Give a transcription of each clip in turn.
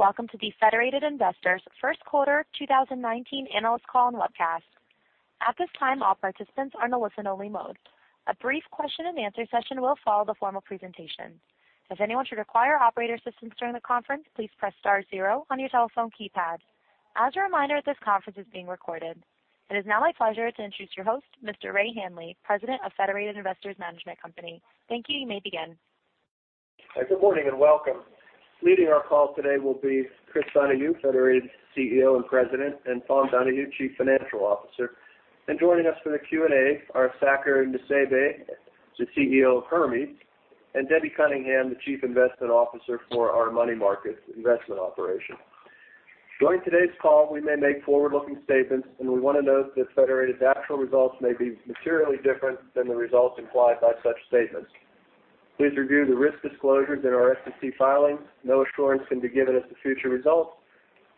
Greetings and welcome to the Federated Investors first quarter 2019 analyst call and webcast. At this time, all participants are in a listen-only mode. A brief question-and-answer session will follow the formal presentation. If anyone should require operator assistance during the conference, please press star 0 on your telephone keypad. As a reminder, this conference is being recorded. It is now my pleasure to introduce your host, Mr. Ray Hanley, President of Federated Investors Management Company. Thank you. You may begin. Good morning and welcome. Leading our call today will be Chris Donahue, Federated CEO and President, Tom Donahue, Chief Financial Officer. Joining us for the Q&A are Saker Nusseibeh, the CEO of Hermes, and Debbie Cunningham, the Chief Investment Officer for our money market investment operation. During today's call, we may make forward-looking statements, and we want to note that Federated's actual results may be materially different than the results implied by such statements. Please review the risk disclosures in our SEC filings. No assurance can be given as to future results.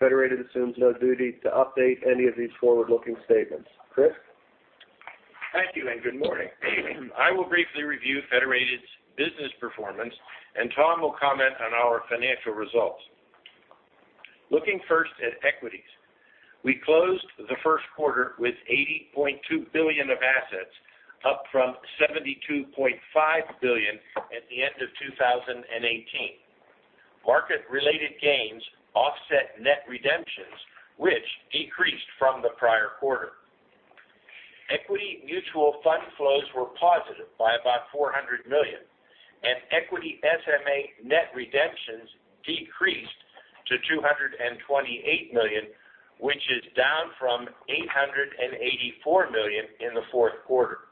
Federated assumes no duty to update any of these forward-looking statements. Chris? Thank you and good morning. I will briefly review Federated's business performance and Tom will comment on our financial results. Looking first at equities. We closed the first quarter with $80.2 billion of assets, up from $72.5 billion at the end of 2018. Market-related gains offset net redemptions, which decreased from the prior quarter. Equity mutual fund flows were positive by about $400 million, and equity SMA net redemptions decreased to $228 million, which is down from $884 million in the fourth quarter.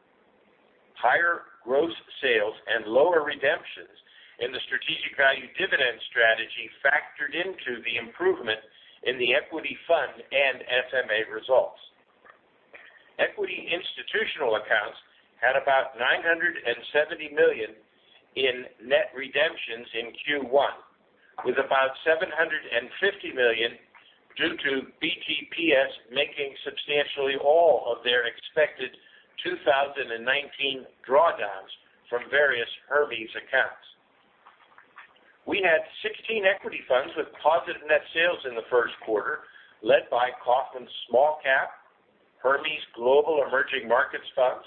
Higher gross sales and lower redemptions in the Strategic Value Dividend strategy factored into the improvement in the equity fund and SMA results. Equity institutional accounts had about $970 million in net redemptions in Q1, with about $750 million due to BTPS making substantially all of their expected 2019 drawdowns from various Hermes accounts. We had 16 equity funds with positive net sales in the first quarter, led by Kaufmann Small Cap, Hermes Global Emerging Markets Fund,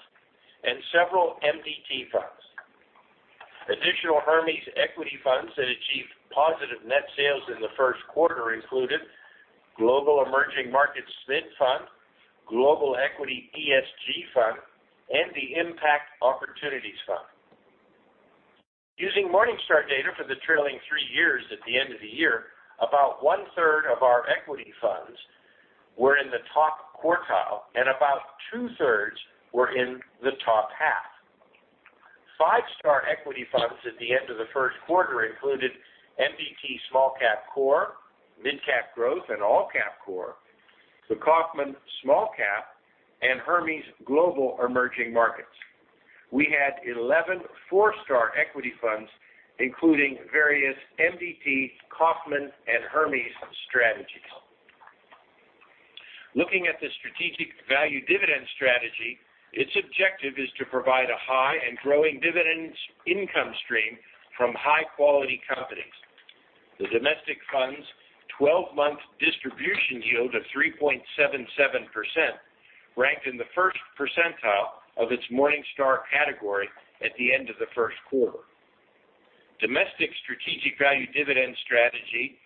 and several MDT funds. Additional Hermes equity funds that achieved positive net sales in the first quarter included Global Emerging Markets SMID Fund, Global Equity ESG Fund, and the Impact Opportunities Fund. Using Morningstar data for the trailing three years at the end of the year, about one-third of our equity funds were in the top quartile, and about two-thirds were in the top half. Five-star equity funds at the end of the first quarter included MDT Small Cap Core, Mid Cap Growth, and All Cap Core, the Kaufmann Small Cap, and Hermes Global Emerging Markets. We had 11 four-star equity funds, including various MDT, Kaufmann, and Hermes strategies. Looking at the Strategic Value Dividend strategy, its objective is to provide a high and growing dividends income stream from high-quality companies. The domestic fund's 12-month distribution yield of 3.77% ranked in the first percentile of its Morningstar category at the end of the first quarter. Domestic Strategic Value Dividend strategy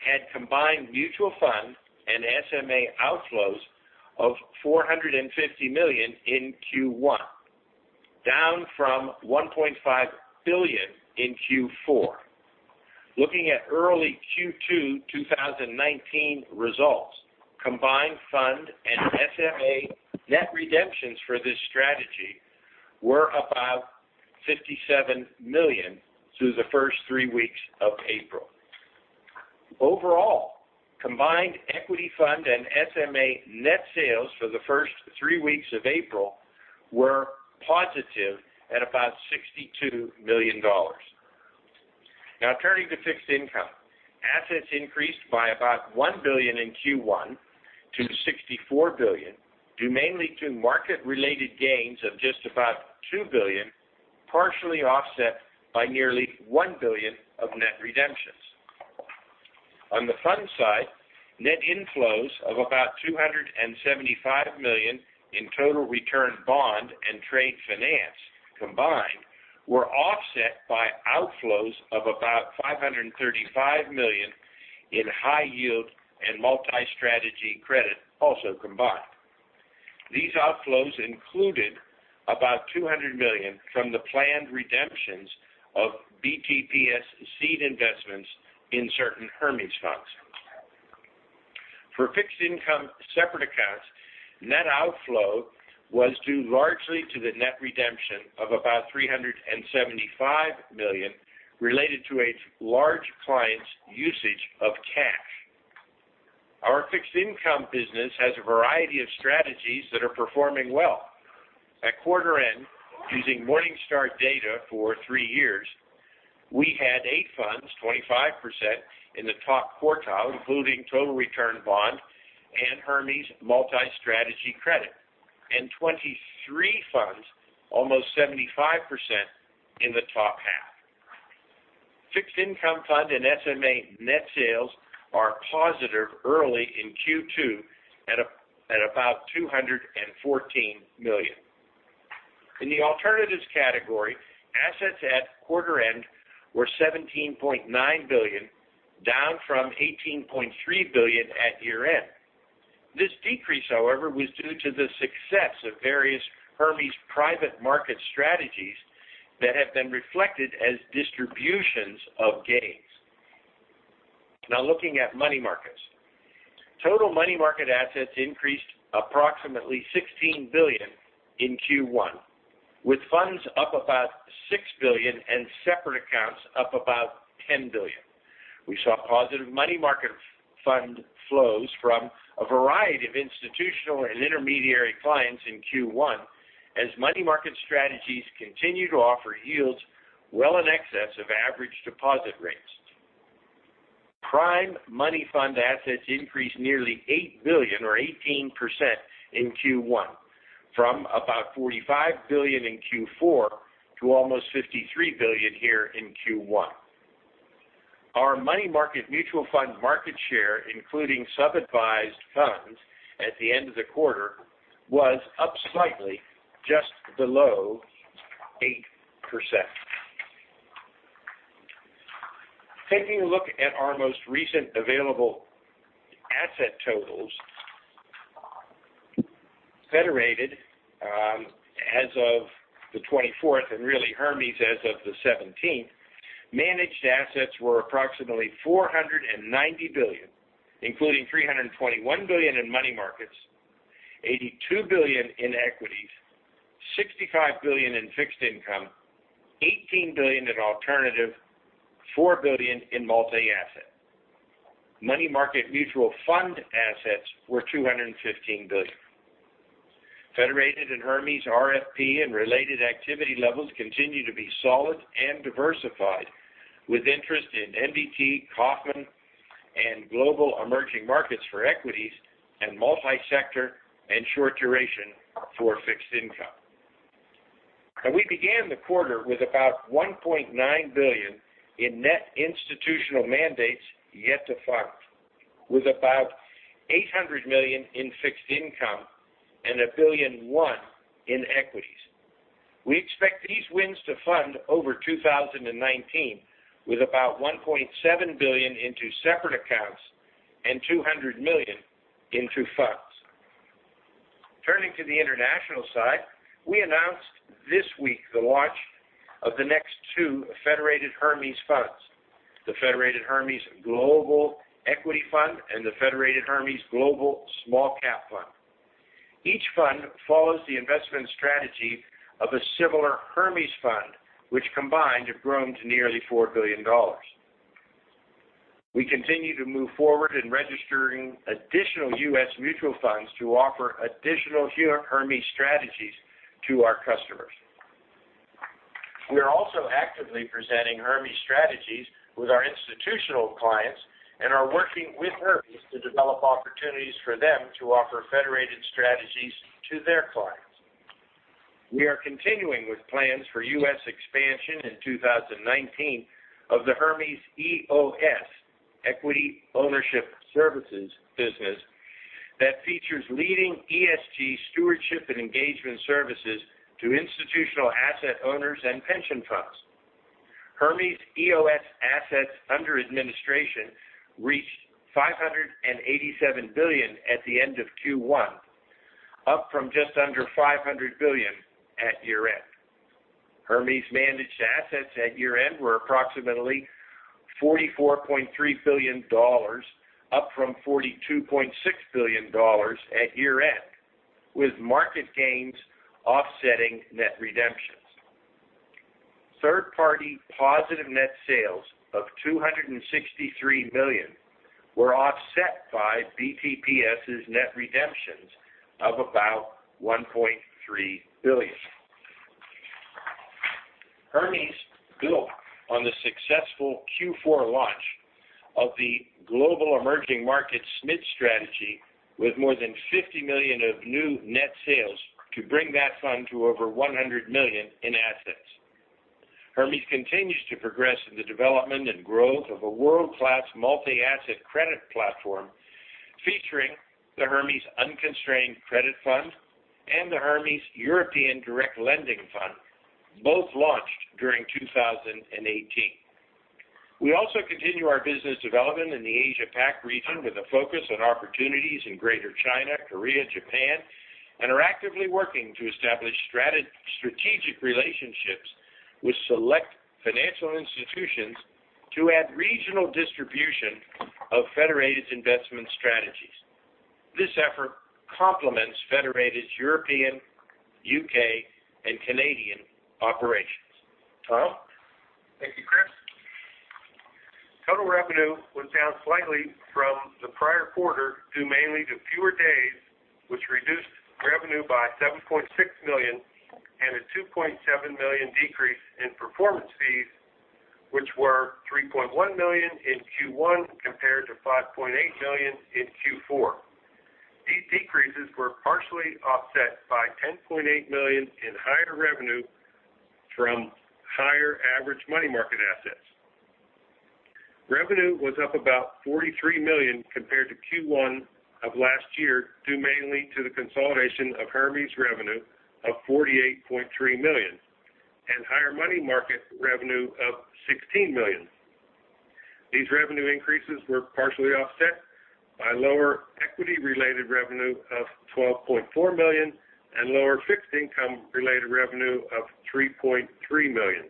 had combined mutual fund and SMA outflows of $450 million in Q1, down from $1.5 billion in Q4. Looking at early Q2 2019 results, combined fund and SMA net redemptions for this strategy were about $57 million through the first three weeks of April. Overall, combined equity fund and SMA net sales for the first three weeks of April were positive at about $62 million. Now turning to fixed income. Assets increased by about $1 billion in Q1 to $64 billion, due mainly to market-related gains of just about $2 billion, partially offset by nearly $1 billion of net redemptions. On the fund side, net inflows of about $275 million in Total Return Bond and Trade Finance combined were offset by outflows of about $535 million in high yield and Multi-Strategy Credit, also combined. These outflows included about $200 million from the planned redemptions of BTPS seed investments in certain Hermes funds. For fixed income separate accounts, net outflow was due largely to the net redemption of about $375 million related to a large client's usage of cash. Our fixed income business has a variety of strategies that are performing well. At quarter end, using Morningstar data for three years, we had eight funds, 25% in the top quartile, including Total Return Bond and Hermes Multi-Strategy Credit. 23 funds, almost 75%, in the top half. Fixed income fund and SMA net sales are positive early in Q2 at about $214 million. In the alternatives category, assets at quarter end were $17.9 billion, down from $18.3 billion at year-end. This decrease, however, was due to the success of various Hermes private market strategies that have been reflected as distributions of gains. Now looking at money markets. Total money market assets increased approximately $16 billion in Q1, with funds up about $6 billion and separate accounts up about $10 billion. We saw positive money market fund flows from a variety of institutional and intermediary clients in Q1 as money market strategies continue to offer yields well in excess of average deposit rates. Prime money fund assets increased nearly $8 billion or 18% in Q1 from about $45 billion in Q4 to almost $53 billion here in Q1. Our money market mutual fund market share, including sub-advised funds at the end of the quarter, was up slightly, just below 8%. Taking a look at our most recent available asset totals, Federated, as of the 24th, and really Hermes as of the 17th, managed assets were approximately $490 billion, including $321 billion in money markets, $82 billion in equities, $65 billion in fixed income, $18 billion in alternative, $4 billion in multi-asset. Money market mutual fund assets were $215 billion. Federated and Hermes RFP and related activity levels continue to be solid and diversified, with interest in NBT, Kaufmann, and Global Emerging Markets for equities, and multi-sector and short duration for fixed income. We began the quarter with about $1.9 billion in net institutional mandates yet to fund, with about $800 million in fixed income and $1 billion in equities. We expect these wins to fund over 2019, with about $1.7 billion into separate accounts and $200 million into funds. Turning to the international side, we announced this week the launch of the next two Federated Hermes funds, the Federated Hermes Global Equity Fund and the Federated Hermes Global Small Cap Fund. Each fund follows the investment strategy of a similar Hermes fund, which combined have grown to nearly $4 billion. We continue to move forward in registering additional U.S. mutual funds to offer additional Hermes strategies to our customers. We are also actively presenting Hermes strategies with our institutional clients and are working with Hermes to develop opportunities for them to offer Federated strategies to their clients. We are continuing with plans for U.S. expansion in 2019 of the Hermes EOS, Equity Ownership Services business that features leading ESG stewardship and engagement services to institutional asset owners and pension funds. Hermes EOS assets under administration reached $587 billion at the end of Q1, up from just under $500 billion at year-end. Hermes managed assets at year-end were approximately $44.3 billion, up from $42.6 billion at year-end, with market gains offsetting net redemptions. Third-party positive net sales of $263 million were offset by BTPS's net redemptions of about $1.3 billion. Hermes built on the successful Q4 launch of the Global Emerging Markets SMId strategy with more than $50 million of new net sales to bring that fund to over $100 million in assets. Hermes continues to progress in the development and growth of a world-class multi-asset credit platform featuring the Hermes Unconstrained Credit Fund and the Hermes European Direct Lending Fund, both launched during 2018. We also continue our business development in the Asia Pac region with a focus on opportunities in Greater China, Korea, Japan, and are actively working to establish strategic relationships with select financial institutions to add regional distribution of Federated's investment strategies. This effort complements Federated's European, U.K., and Canadian operations. Tom? Thank you, Chris. Total revenue was down slightly from the prior quarter, due mainly to fewer days, which reduced revenue by $7.6 million a $2.7 million decrease in performance fees, which were $3.1 million in Q1 compared to $5.8 million in Q4. These decreases were partially offset by $10.8 million in higher revenue from higher average money market assets. Revenue was up about $43 million compared to Q1 of last year, due mainly to the consolidation of Hermes revenue of $48.3 million and higher money market revenue of $16 million. These revenue increases were partially offset by lower equity-related revenue of $12.4 million and lower fixed income-related revenue of $3.3 million.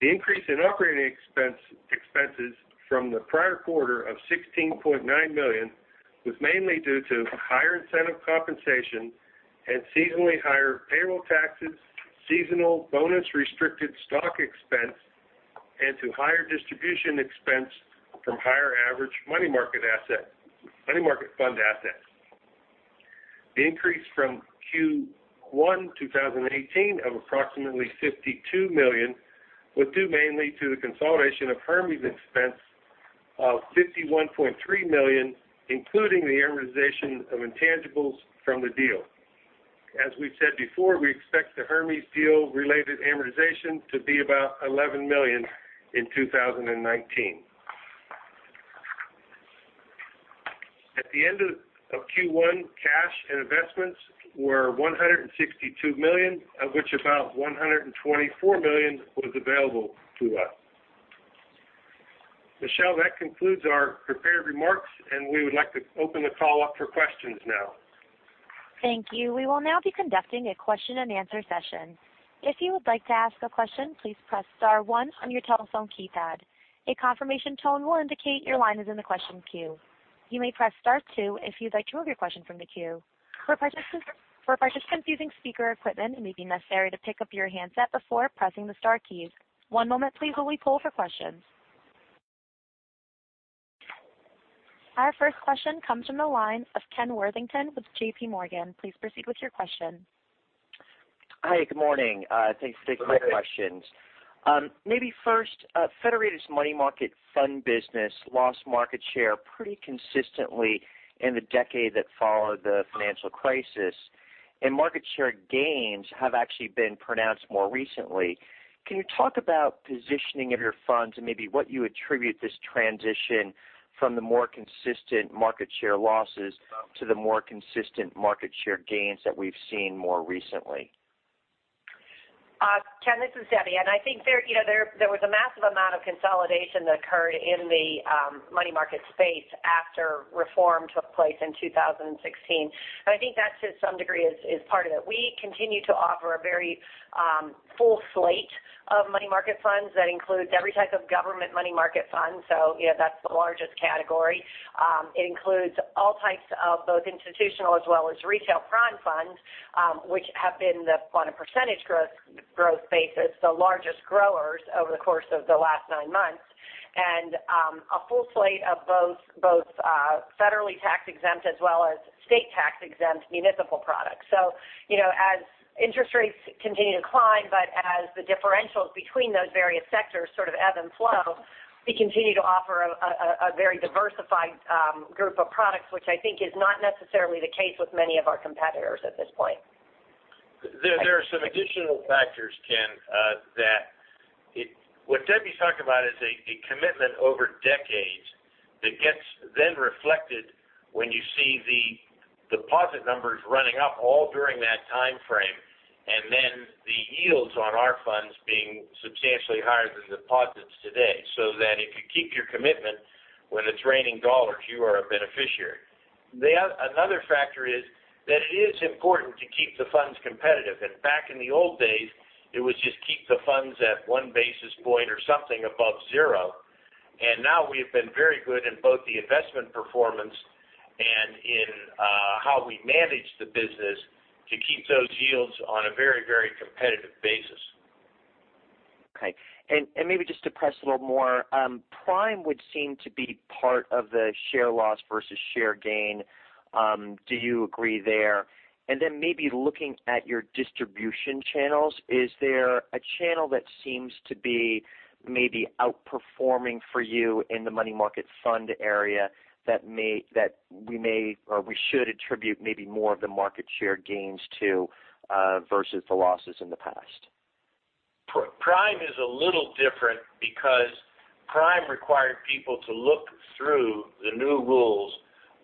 The increase in operating expenses from the prior quarter of $16.9 million was mainly due to higher incentive compensation and seasonally higher payroll taxes, seasonal bonus restricted stock expense, and to higher distribution expense from higher average money market fund assets. The increase from Q1 2018 of approximately $52 million was due mainly to the consolidation of Hermes expense of $51.3 million, including the amortization of intangibles from the deal. As we've said before, we expect the Hermes deal-related amortization to be about $11 million in 2019. At the end of Q1, cash and investments were $162 million, of which about $124 million was available to us. Michelle, that concludes our prepared remarks, and we would like to open the call up for questions now. Thank you. We will now be conducting a question and answer session. If you would like to ask a question, please press star one on your telephone keypad. A confirmation tone will indicate your line is in the question queue. You may press star two if you'd like to remove your question from the queue. For participants using speaker equipment, it may be necessary to pick up your handset before pressing the star keys. One moment please while we poll for questions. Our first question comes from the line of Ken Worthington with JPMorgan. Please proceed with your question. Hi. Good morning. Thanks for taking my questions. Maybe first, Federated's money market fund business lost market share pretty consistently in the decade that followed the financial crisis. Market share gains have actually been pronounced more recently. Can you talk about positioning of your funds and maybe what you attribute this transition from the more consistent market share losses to the more consistent market share gains that we've seen more recently? Ken, this is Debbie. I think there was a massive amount of consolidation that occurred in the money market space after reform took place in 2016. I think that to some degree is part of it. We continue to offer a very full slate of money market funds that includes every type of government money market fund. That's the largest category. It includes all types of both institutional as well as retail prime funds, which have been on a percentage growth basis, the largest growers over the course of the last nine months. A full slate of both federally tax-exempt as well as state tax-exempt municipal products. As interest rates continue to climb, but as the differentials between those various sectors sort of ebb and flow, we continue to offer a very diversified group of products, which I think is not necessarily the case with many of our competitors at this point. There are some additional factors, Ken. What Debbie's talking about is a commitment over decades that gets then reflected when you see the deposit numbers running up all during that time frame, then the yields on our funds being substantially higher than deposits today. If you keep your commitment when it's raining dollars, you are a beneficiary. Another factor is that it is important to keep the funds competitive. Back in the old days, it was just keep the funds at one basis point or something above zero. Now we've been very good in both the investment performance and in how we manage the business to keep those yields on a very competitive basis. Okay. Maybe just to press a little more, Prime would seem to be part of the share loss versus share gain. Do you agree there? Then maybe looking at your distribution channels, is there a channel that seems to be maybe outperforming for you in the money market fund area that we should attribute maybe more of the market share gains to versus the losses in the past? Prime is a little different because Prime required people to look through the new rules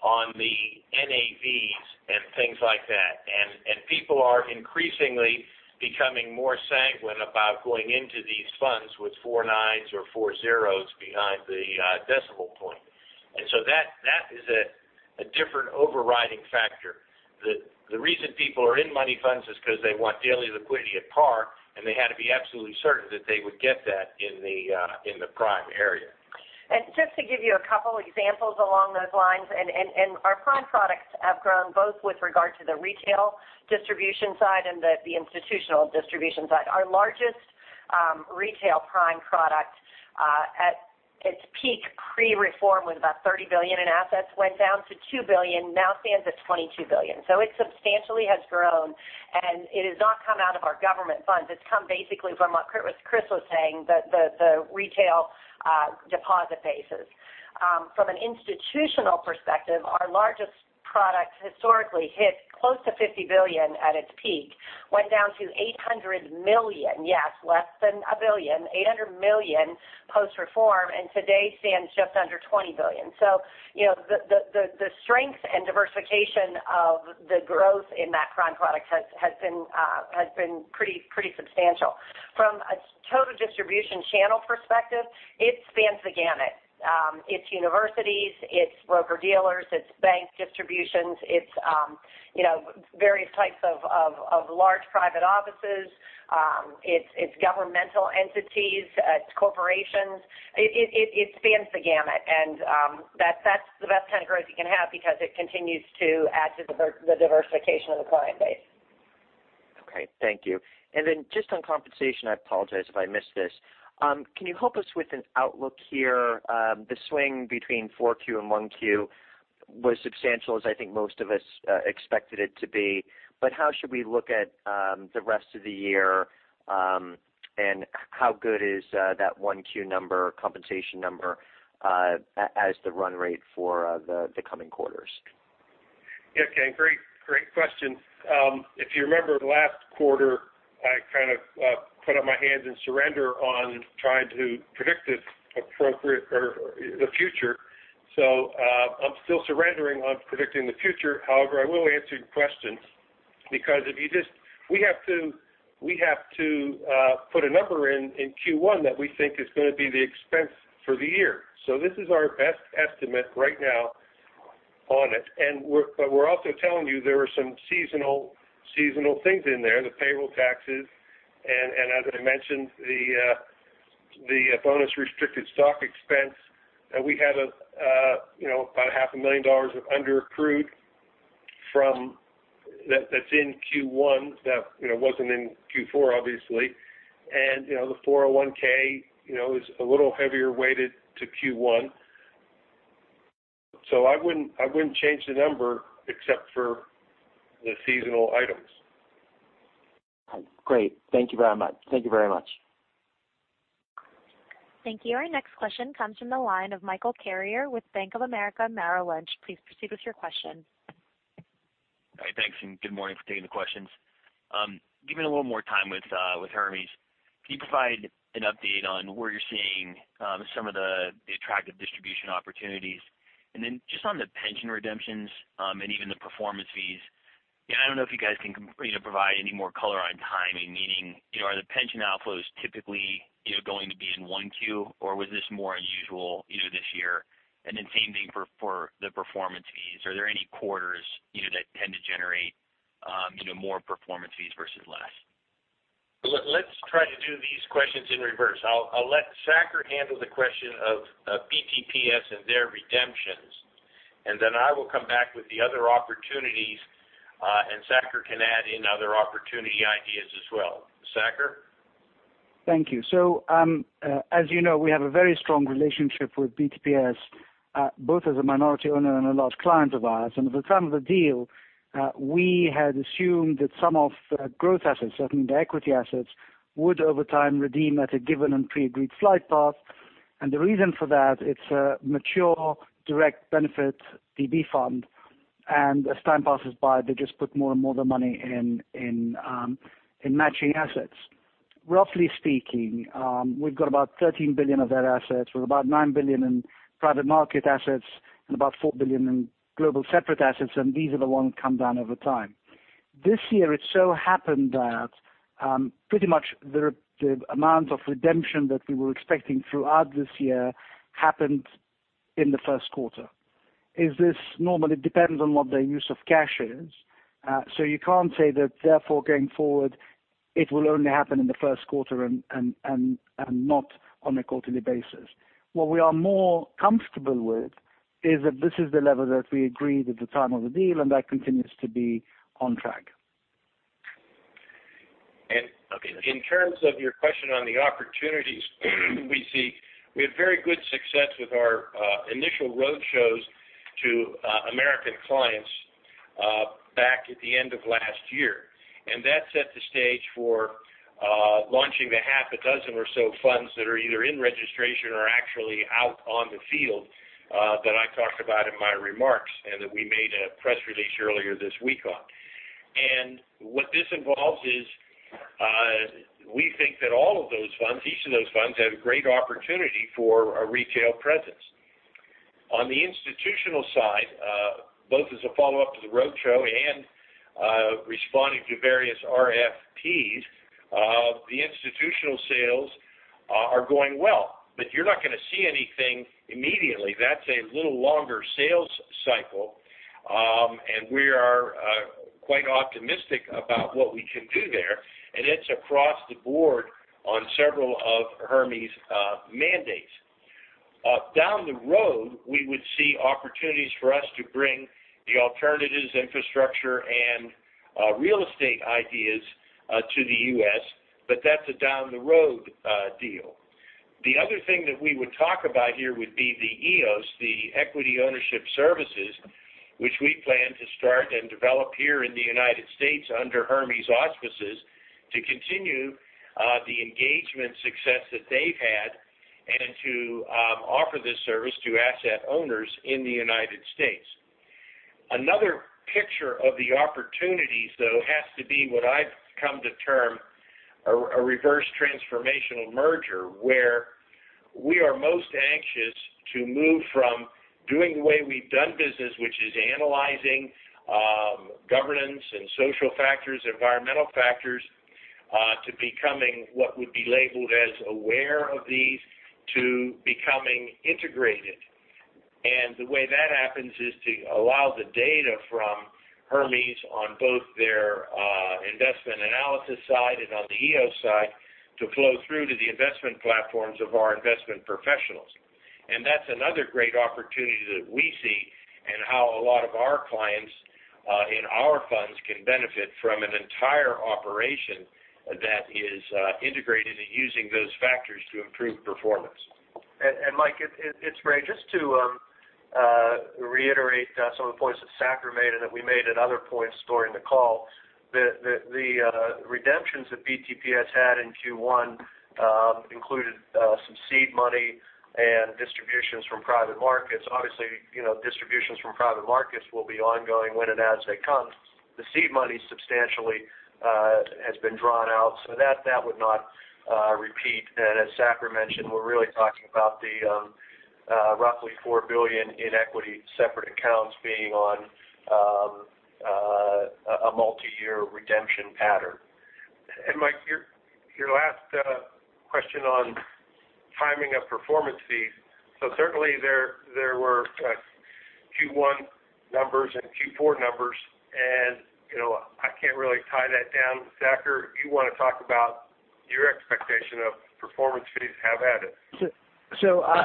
on the NAVs and things like that. People are increasingly becoming more sanguine about going into these funds with four nines or four zeroes behind the decimal point. That is a different overriding factor. The reason people are in money funds is because they want daily liquidity at par, and they had to be absolutely certain that they would get that in the Prime area. Just to give you a couple examples along those lines, our Prime products have grown both with regard to the retail distribution side and the institutional distribution side. Our largest retail prime product at its peak pre-reform was about $30 billion in assets, went down to $2 billion, now stands at $22 billion. It substantially has grown, and it has not come out of our government funds. It's come basically from what Chris was saying, the retail deposit bases. From an institutional perspective, our largest product historically hit close to $50 billion at its peak, went down to $800 million. Yes, less than a billion, $800 million post-reform, and today stands just under $20 billion. The strength and diversification of the growth in that prime product has been pretty substantial. From a total distribution channel perspective, it spans the gamut. It's universities, it's broker-dealers, it's bank distributions, it's various types of large private offices, it's governmental entities, it's corporations. It spans the gamut, and that's the best kind of growth you can have because it continues to add to the diversification of the client base. Okay. Thank you. Just on compensation, I apologize if I missed this. Can you help us with an outlook here? The swing between Q4 and Q1 was substantial, as I think most of us expected it to be. How should we look at the rest of the year? How good is that Q1 number, compensation number, as the run rate for the coming quarters? Ken, great question. If you remember last quarter, I kind of put up my hands in surrender on trying to predict the future. I'm still surrendering on predicting the future. However, I will answer your questions because we have to put a number in Q1 that we think is going to be the expense for the year. This is our best estimate right now on it. We're also telling you there are some seasonal things in there, the payroll taxes, and as I mentioned, the bonus restricted stock expense. We had about half a million dollars of under-accrued that's in Q1 that wasn't in Q4, obviously. The 401(k) is a little heavier weighted to Q1. I wouldn't change the number except for the seasonal items. Great. Thank you very much. Thank you. Our next question comes from the line of Michael Carrier with Bank of America Merrill Lynch. Please proceed with your question. Hi, thanks, and good morning for taking the questions. Giving a little more time with Hermes. Can you provide an update on where you're seeing some of the attractive distribution opportunities? Then just on the pension redemptions, and even the performance fees, I don't know if you guys can provide any more color on timing. Meaning, are the pension outflows typically going to be in 1Q, or was this more unusual this year? Then same thing for the performance fees. Are there any quarters that tend to generate more performance fees versus less? Let's try to do these questions in reverse. I'll let Saker handle the question of BTPS and their redemptions. Then I will come back with the other opportunities, and Saker can add in other opportunity ideas as well. Saker? Thank you. As you know, we have a very strong relationship with BTPS, both as a minority owner and a large client of ours. At the time of the deal, we had assumed that some of the growth assets, certainly the equity assets, would over time redeem at a given and pre-agreed flight path. The reason for that, it's a mature defined benefit DB fund. As time passes by, they just put more and more of the money in matching assets. Roughly speaking, we've got about $13 billion of their assets, with about $9 billion in private market assets and about $4 billion in global separate assets, and these are the ones that come down over time. This year, it so happened that pretty much the amount of redemption that we were expecting throughout this year happened in the first quarter. Is this normal? It depends on what their use of cash is. You can't say that therefore going forward, it will only happen in the first quarter and not on a quarterly basis. What we are more comfortable with is that this is the level that we agreed at the time of the deal, that continues to be on track. In terms of your question on the opportunities we see, we had very good success with our initial roadshows to American clients back at the end of last year. That set the stage for launching the half a dozen or so funds that are either in registration or actually out on the field that I talked about in my remarks, that we made a press release earlier this week on. What this involves is we think that all of those funds, each of those funds have great opportunity for a retail presence. On the institutional side, both as a follow-up to the roadshow and responding to various RFPs, the institutional sales are going well. You're not going to see anything immediately. That's a little longer sales cycle. We are quite optimistic about what we can do there. It's across the board on several of Hermes' mandates. Down the road, we would see opportunities for us to bring the alternatives infrastructure and real estate ideas to the U.S., but that's a down the road deal. The other thing that we would talk about here would be the EOS, the Equity Ownership Services, which we plan to start and develop here in the U.S. under Hermes auspices to continue the engagement success that they've had and to offer this service to asset owners in the U.S. Another picture of the opportunities, though, has to be what I've come to term a reverse transformational merger, where we are most anxious to move from doing the way we've done business, which is analyzing governance and social factors, environmental factors, to becoming what would be labeled as aware of these to becoming integrated. The way that happens is to allow the data from Hermes on both their investment analysis side and on the EOS side to flow through to the investment platforms of our investment professionals. That's another great opportunity that we see in how a lot of our clients in our funds can benefit from an entire operation that is integrated and using those factors to improve performance. Mike, it's Ray. Just to reiterate some of the points that Saker made and that we made at other points during the call, the redemptions that BTPS had in Q1 included some seed money and distributions from private markets. Obviously, distributions from private markets will be ongoing when and as they come. The seed money substantially has been drawn out, so that would not repeat. As Saker mentioned, we're really talking about the roughly $4 billion in equity separate accounts being on a multi-year redemption pattern. Mike, your last question on timing of performance fees. Certainly there were Q1 numbers and Q4 numbers, and I can't really tie that down. Saker, you want to talk about your expectation of performance fees, have at it.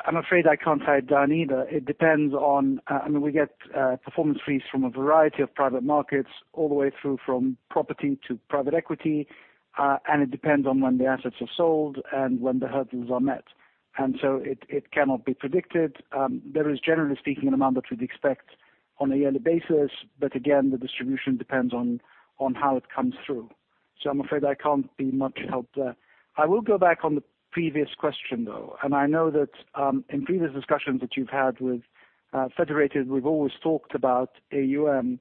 I'm afraid I can't tie it down either. I mean, we get performance fees from a variety of private markets all the way through from property to private equity, it depends on when the assets are sold and when the hurdles are met. It cannot be predicted. There is, generally speaking, an amount that we'd expect on a yearly basis, but again, the distribution depends on how it comes through. I'm afraid I can't be much help there. I will go back on the previous question, though. I know that in previous discussions that you've had with Federated, we've always talked about AUM.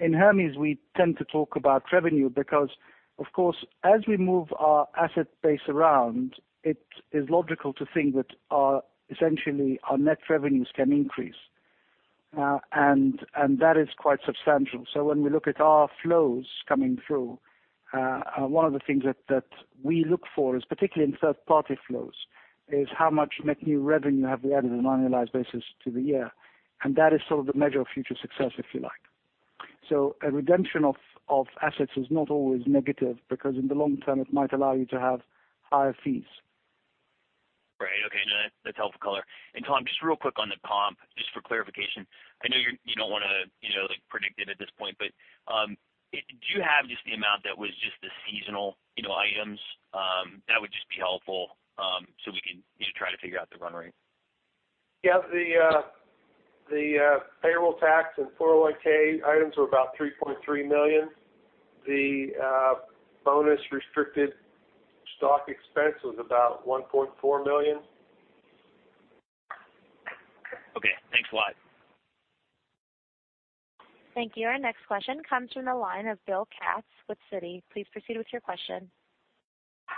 In Hermes, we tend to talk about revenue because, of course, as we move our asset base around, it is logical to think that essentially our net revenues can increase. That is quite substantial. When we look at our flows coming through, one of the things that we look for is, particularly in third-party flows, is how much net new revenue have we added on an annualized basis to the year. That is sort of the measure of future success, if you like. A redemption of assets is not always negative because in the long term, it might allow you to have higher fees. Right. Okay. No, that's helpful color. Tom, just real quick on the comp, just for clarification, I know you don't want to predict it at this point, but do you have just the amount that was just the seasonal items? That would just be helpful so we can try to figure out the run rate. Yeah. The payroll tax and 401(k) items were about $3.3 million. The bonus restricted stock expense was about $1.4 million. Okay. Thanks a lot. Thank you. Our next question comes from the line of Bill Katz with Citi. Please proceed with your question.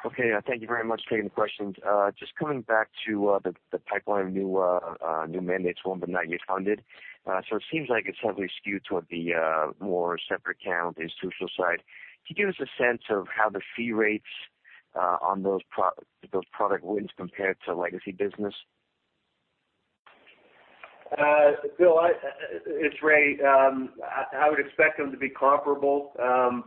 Okay. Thank you very much for taking the questions. Just coming back to the pipeline of new mandates won but not yet funded. It seems like it's heavily skewed toward the more separate count institutional side. Can you give us a sense of how the fee rates on those product wins compare to legacy business? Bill, it's Ray. I would expect them to be comparable,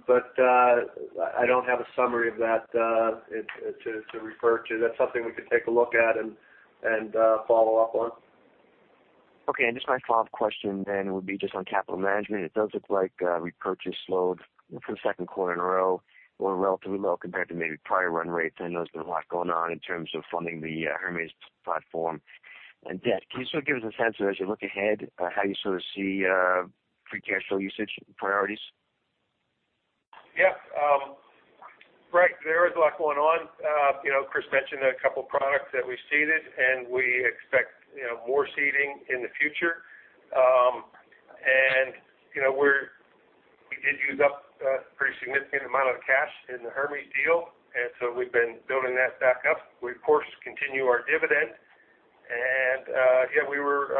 but I don't have a summary of that to refer to. That's something we could take a look at and follow up on. Okay. Just my follow-up question then would be just on capital management. It does look like repurchase slowed for the second quarter in a row or relatively low compared to maybe prior run rates. I know there's been a lot going on in terms of funding the Hermes platform and debt. Can you sort of give us a sense of as you look ahead, how you sort of see free cash flow usage priorities? Yeah. Right. There is a lot going on. Chris mentioned a couple products that we've seeded. We expect more seeding in the future. We did use up a pretty significant amount of cash in the Hermes deal, so we've been building that back up. We of course continue our dividend. Again, we were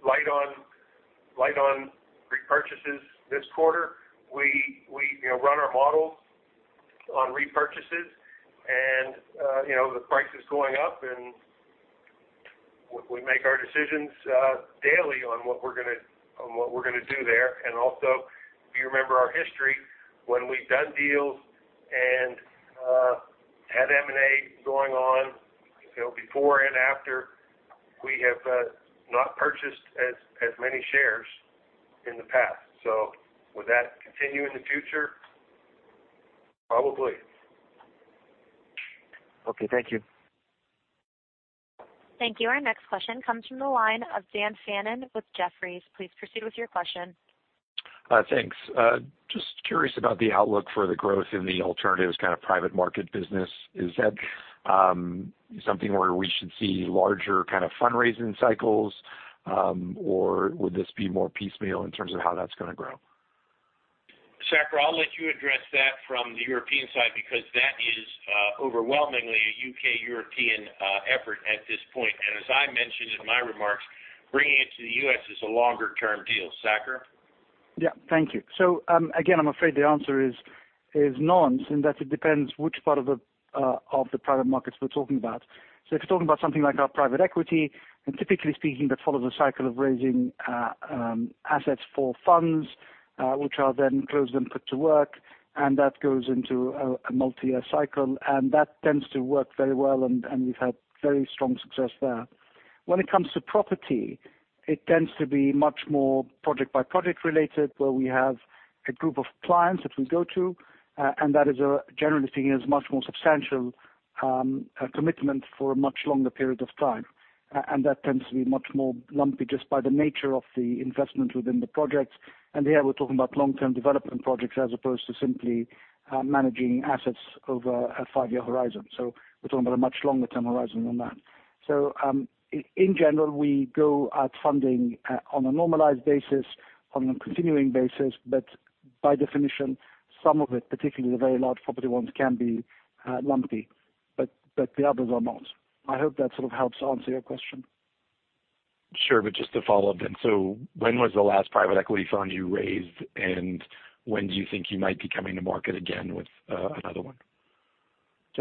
light on repurchases this quarter. We run our models on repurchases, and the price is going up, and we make our decisions daily on what we're going to do there. Also, if you remember our history, when we've done deals and Had M&A going on before and after. We have not purchased as many shares in the past. Would that continue in the future? Probably. Okay. Thank you. Thank you. Our next question comes from the line of Daniel Fannon with Jefferies. Please proceed with your question. Thanks. Just curious about the outlook for the growth in the alternatives kind of private market business. Is that something where we should see larger kind of fundraising cycles? Would this be more piecemeal in terms of how that's going to grow? Saker, I'll let you address that from the European side, because that is overwhelmingly a U.K. European effort at this point. As I mentioned in my remarks, bringing it to the U.S. is a longer-term deal. Saker? Yeah. Thank you. Again, I'm afraid the answer is none, since that it depends which part of the private markets we're talking about. If you're talking about something like our private equity, typically speaking, that follows a cycle of raising assets for funds, which are then closed and put to work, that goes into a multi-year cycle, that tends to work very well, we've had very strong success there. When it comes to property, it tends to be much more project-by-project related, where we have a group of clients that we go to, and that is generally seen as a much more substantial commitment for a much longer period of time. That tends to be much more lumpy, just by the nature of the investment within the projects. Here we're talking about long-term development projects as opposed to simply managing assets over a five-year horizon. We're talking about a much longer-term horizon than that. In general, we go at funding on a normalized basis, on a continuing basis, but by definition, some of it, particularly the very large property ones, can be lumpy, but the others are not. I hope that sort of helps answer your question. Sure. Just to follow up. When was the last private equity fund you raised, and when do you think you might be coming to market again with another one?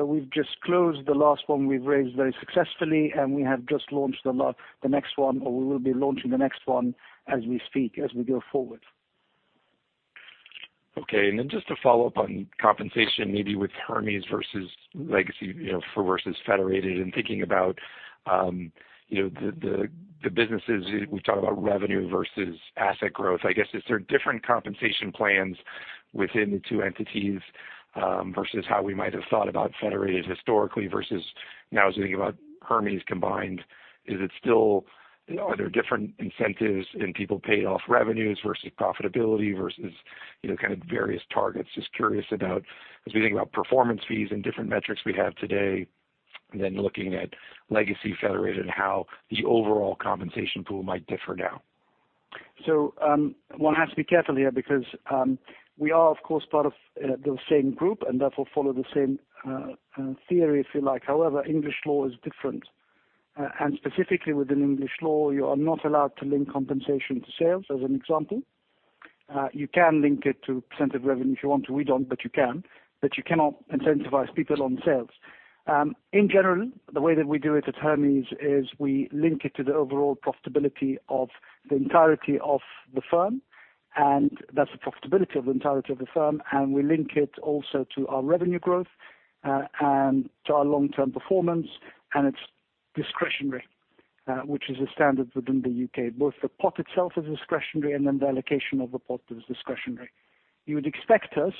We've just closed the last one we've raised very successfully, we have just launched the next one, we will be launching the next one as we speak, as we go forward. Okay. Just to follow up on compensation, maybe with Hermes versus legacy versus Federated and thinking about the businesses. We've talked about revenue versus asset growth. I guess, is there different compensation plans within the two entities, versus how we might have thought about Federated historically versus now as we think about Hermes combined? Are there different incentives in people paid off revenues versus profitability versus kind of various targets? Just curious about, as we think about performance fees and different metrics we have today, then looking at legacy Federated, how the overall compensation pool might differ now. One has to be careful here because we are, of course, part of the same group and therefore follow the same theory, if you like. However, English law is different. Specifically within English law, you are not allowed to link compensation to sales, as an example. You can link it to % of revenue if you want to. We don't, but you can. You cannot incentivize people on sales. In general, the way that we do it at Hermes is we link it to the overall profitability of the entirety of the firm, and that's the profitability of the entirety of the firm. We link it also to our revenue growth and to our long-term performance. It's discretionary, which is a standard within the U.K. Both the pot itself is discretionary and then the allocation of the pot is discretionary. You would expect us,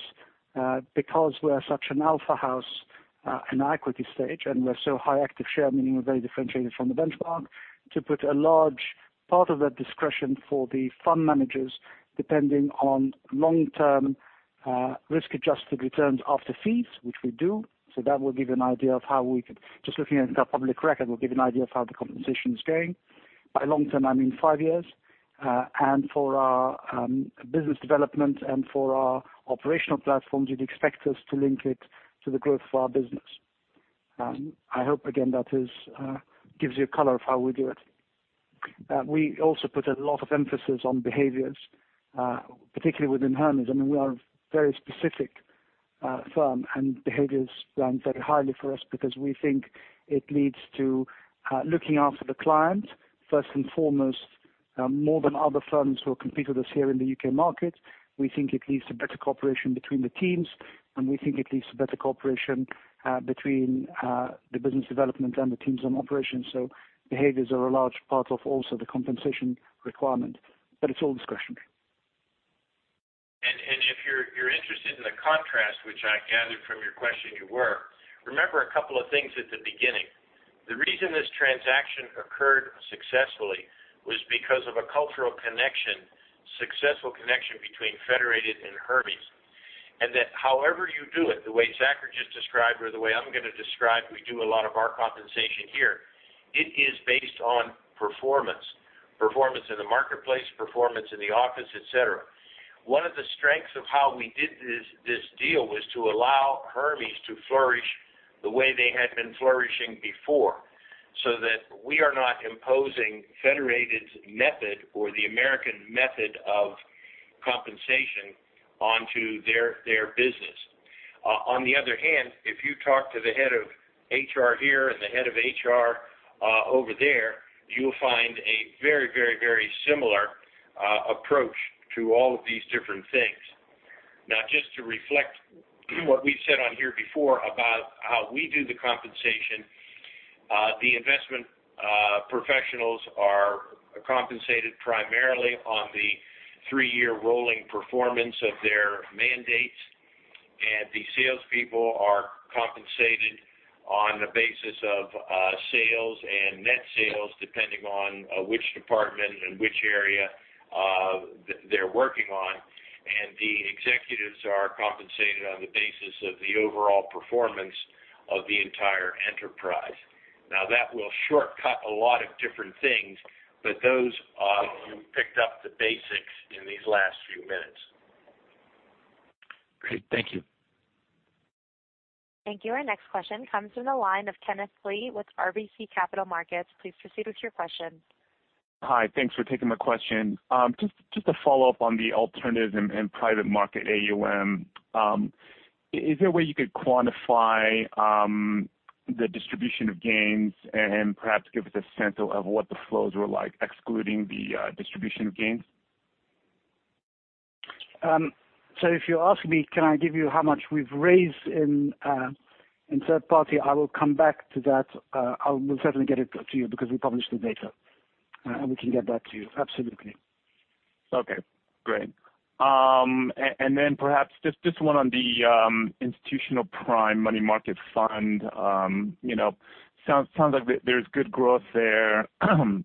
because we're such an alpha house in our equity stage, and we're so high active share, meaning we're very differentiated from the benchmark, to put a large part of that discretion for the fund managers, depending on long-term risk-adjusted returns after fees, which we do. Just looking at our public record will give you an idea of how the compensation is going. By long-term, I mean five years. For our business development and for our operational platforms, you'd expect us to link it to the growth of our business. I hope, again, that gives you a color of how we do it. We also put a lot of emphasis on behaviors, particularly within Hermes. I mean, we are a very specific firm, behavior is ranked very highly for us because we think it leads to looking after the client first and foremost, more than other firms who compete with us here in the U.K. market. We think it leads to better cooperation between the teams, we think it leads to better cooperation between the business development and the teams on operations. Behaviors are a large part of also the compensation requirement. It's all discretionary. If you're interested in the contrast, which I gathered from your question you were, remember a couple of things at the beginning. The reason this transaction occurred successfully was because of a cultural connection, successful connection between Federated and Hermes. That however you do it, the way Saker just described or the way I'm going to describe we do a lot of our compensation here, it is based on performance. Performance in the marketplace, performance in the office, et cetera. One of the strengths of how we did this deal was to allow Hermes to flourish the way they had been flourishing before, so that we are not imposing Federated's method or the American method of compensation onto their business. On the other hand, if you talk to the head of HR here and the head of HR over there, you'll find a very similar approach to all of these different things. Just to reflect what we've said on here before about how we do the compensation, the investment professionals are compensated primarily on the three-year rolling performance of their mandates. The salespeople are compensated on the basis of sales and net sales, depending on which department and which area they're working on. The executives are compensated on the basis of the overall performance of the entire enterprise. That will shortcut a lot of different things, but those, you picked up the basics in these last few minutes. Great. Thank you. Thank you. Our next question comes from the line of Kenneth Lee with RBC Capital Markets. Please proceed with your question. Hi. Thanks for taking my question. Just a follow-up on the alternatives and private market AUM. Is there a way you could quantify the distribution of gains and perhaps give us a sense of what the flows were like, excluding the distribution of gains? If you ask me, can I give you how much we've raised in third party, I will come back to that. We'll certainly get it to you because we publish the data. We can get that to you. Absolutely. Okay, great. Perhaps just one on the institutional prime money market fund. Sounds like there's good growth there in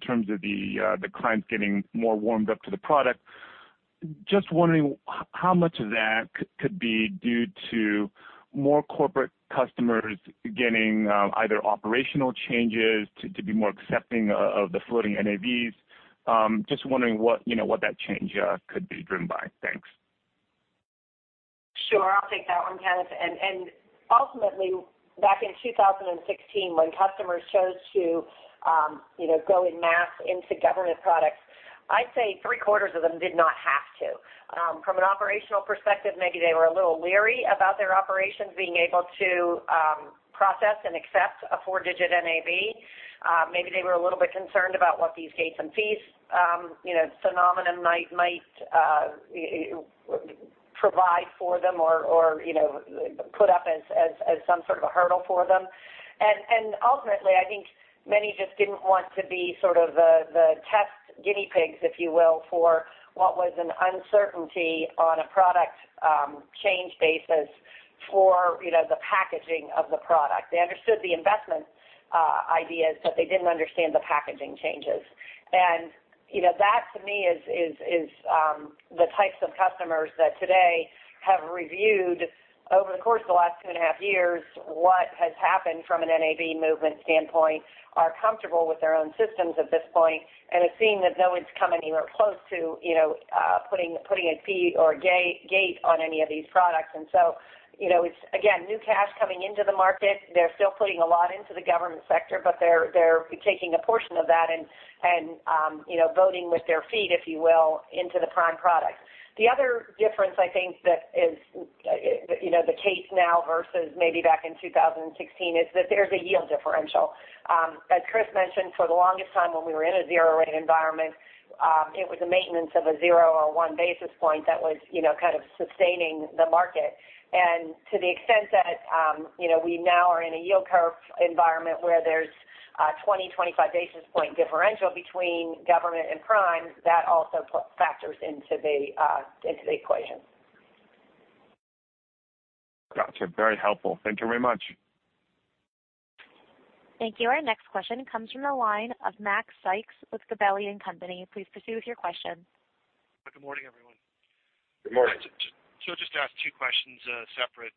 terms of the clients getting more warmed up to the product. Just wondering how much of that could be due to more corporate customers getting either operational changes to be more accepting of the floating NAVs. Just wondering what that change could be driven by. Thanks. Sure. I'll take that one, Kenneth. Ultimately, back in 2016, when customers chose to go en masse into government products, I'd say three-quarters of them did not have to. From an operational perspective, maybe they were a little leery about their operations being able to process and accept a four-digit NAV. Maybe they were a little bit concerned about what these gates and fees phenomenon might provide for them or put up as some sort of a hurdle for them. Ultimately, I think many just didn't want to be sort of the test guinea pigs, if you will, for what was an uncertainty on a product change basis for the packaging of the product. They understood the investment ideas, they didn't understand the packaging changes. That to me is the types of customers that today have reviewed over the course of the last two and a half years what has happened from an NAV movement standpoint, are comfortable with their own systems at this point, and have seen that no one's come anywhere close to putting a fee or a gate on any of these products. It's, again, new cash coming into the market. They're still putting a lot into the government sector, they're taking a portion of that and voting with their feet, if you will, into the prime product. The other difference I think that is the case now versus maybe back in 2016, is that there's a yield differential. As Chris mentioned, for the longest time when we were in a zero rate environment, it was a maintenance of a zero or one basis point that was kind of sustaining the market. To the extent that we now are in a yield curve environment where there's a 20, 25 basis point differential between government and prime, that also factors into the equation. Got you. Very helpful. Thank you very much. Thank you. Our next question comes from the line of Macrae Sykes with Gabelli & Company. Please proceed with your question. Good morning, everyone. Good morning. Just to ask two questions separate.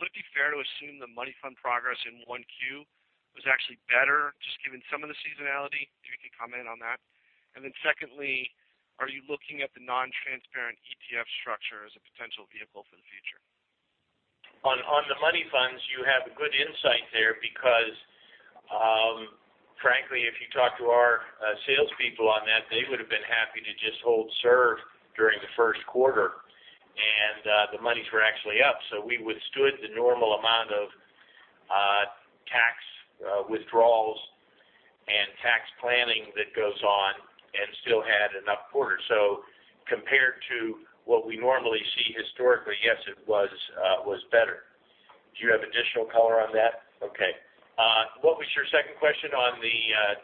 Would it be fair to assume the money fund progress in 1Q was actually better, just given some of the seasonality? If you could comment on that. Secondly, are you looking at the non-transparent ETF structure as a potential vehicle for the future? On the money funds, you have a good insight there because, frankly, if you talk to our salespeople on that, they would've been happy to just hold serve during the first quarter. The monies were actually up. We withstood the normal amount of tax withdrawals and tax planning that goes on and still had an up quarter. Compared to what we normally see historically, yes, it was better. Do you have additional color on that? Okay. What was your second question on the-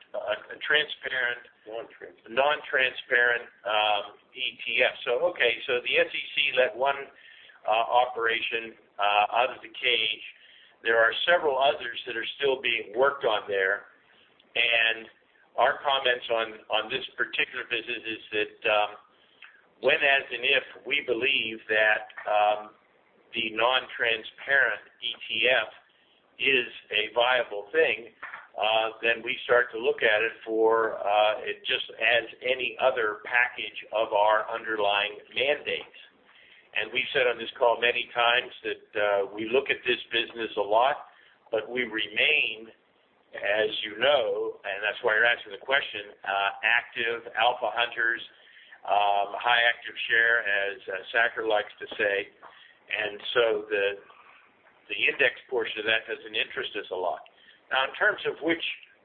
Non-transparent non-transparent ETF. Okay. The SEC let one operation out of the cage. There are several others that are still being worked on there. Our comments on this particular business is that, when, as, and if we believe that the non-transparent ETF is a viable thing, then we start to look at it for it just as any other package of our underlying mandates. We've said on this call many times that we look at this business a lot, but we remain, as you know, and that's why you're asking the question, active alpha hunters, high active share, as Saker likes to say. The The index portion of that doesn't interest us a lot. Now, in terms of which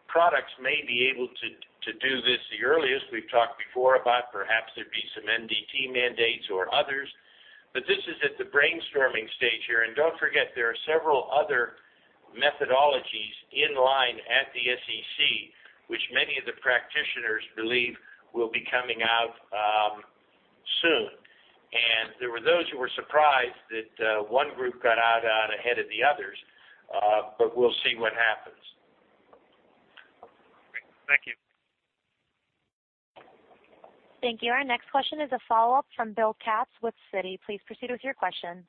products may be able to do this the earliest, we've talked before about perhaps there'd be some MDT mandates or others, but this is at the brainstorming stage here. Don't forget, there are several other methodologies in line at the SEC, which many of the practitioners believe will be coming out soon. There were those who were surprised that one group got out ahead of the others, but we'll see what happens. Great. Thank you. Thank you. Our next question is a follow-up from Bill Katz with Citi. Please proceed with your question.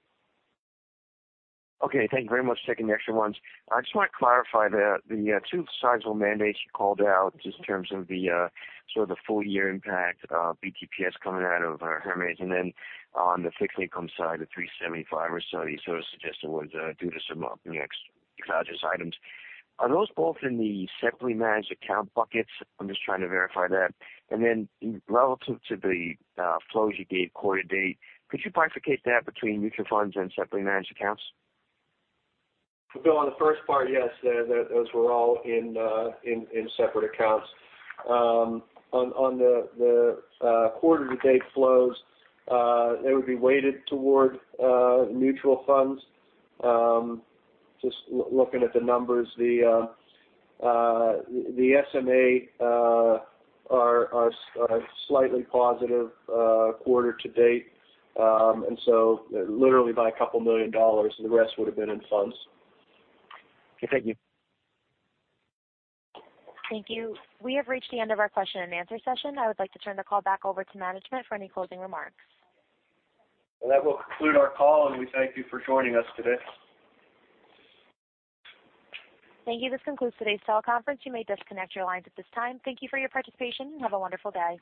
Thank you very much for taking the extra ones. I just want to clarify that the two sizable mandates you called out, just in terms of the full-year impact of BTPS coming out of Hermes, and then on the fixed income side, the $375 or so you suggested was due to some off-index items. Are those both in the separately managed account buckets? I am just trying to verify that. Relative to the flows you gave quarter to date, could you bifurcate that between mutual funds and separately managed accounts? Bill, on the first part, yes, those were all in separate accounts. On the quarter to date flows, they would be weighted toward mutual funds. Just looking at the numbers, the SMA are slightly positive quarter to date, literally by a couple million dollars, the rest would've been in funds. Okay, thank you. Thank you. We have reached the end of our question and answer session. I would like to turn the call back over to management for any closing remarks. That will conclude our call, and we thank you for joining us today. Thank you. This concludes today's call conference. You may disconnect your lines at this time. Thank you for your participation, and have a wonderful day.